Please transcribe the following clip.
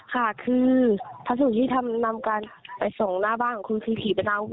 ค่ะคือพัสดุที่ทำนำกันไปส่งหน้าบ้านหรือคือขี่ประนาบ